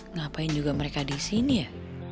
ngapain juga mereka disini ya